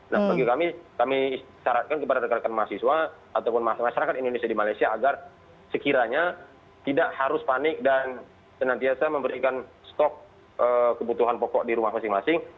nah bagi kami kami syaratkan kepada rekan rekan mahasiswa ataupun masyarakat indonesia di malaysia agar sekiranya tidak harus panik dan senantiasa memberikan stok kebutuhan pokok di rumah masing masing